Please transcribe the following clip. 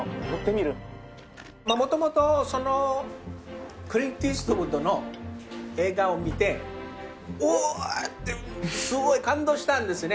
もともとそのクリント・イーストウッドの映画を見ておお！ってすごい感動したんですね。